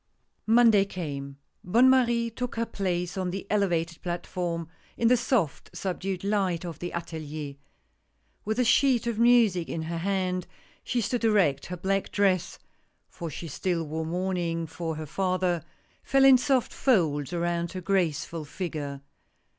M onday came. Bonne Marie took her place on the elevated platform, in the soft, subdued light of the atelier. With a sheet of music in her hand, she stood erect, her black dress — for she still wore mourn ing for her father — fell in soft folds around her graceful figure.